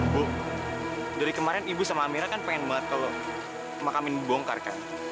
bu dari kemarin ibu sama amira kan pengen banget kalau makamin dibongkar kan